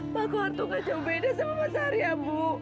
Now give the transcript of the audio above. pak kauh hari ga jauh beda sama mas arya bu